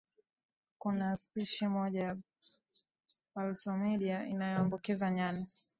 kuna spishi moja ya palsmodium inayoambukiza nyani